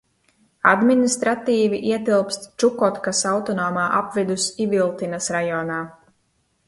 Administratīvi ietilpst Čukotkas autonomā apvidus Iviltinas rajonā.